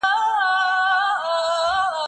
شاګرد د خپل استاد سره مخالفت وکړ.